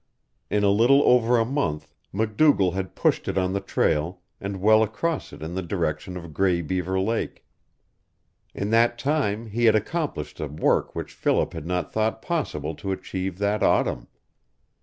In a little over a month MacDougall had pushed it on the trail, and well across it in the direction of Gray Beaver Lake. In that time he had accomplished a work which Philip had not thought possible to achieve that autumn.